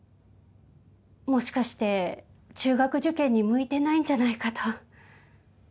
もしかして中学受験に向いてないんじゃないかと。